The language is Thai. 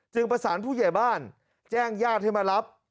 ประสานผู้ใหญ่บ้านแจ้งญาติให้มารับ